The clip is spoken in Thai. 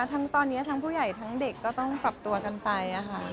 ทั้งตอนนี้ทั้งผู้ใหญ่ทั้งเด็กก็ต้องปรับตัวกันไป